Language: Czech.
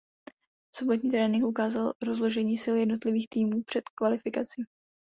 Sobotní trénink ukázal rozložení sil jednotlivých týmu před kvalifikací.